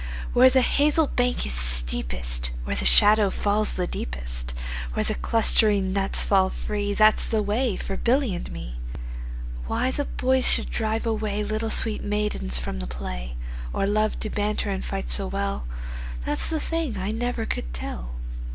Where the hazel bank is steepest, Where the shadow falls the deepest, Where the clustering nuts fall free, 15 That 's the way for Billy and me. Why the boys should drive away Little sweet maidens from the play, Or love to banter and fight so well, That 's the thing I never could tell.